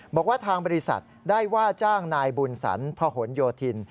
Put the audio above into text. บอกว่าทางบริษัทได้ว่าจ้างนายบุญสรรพหนโยธิน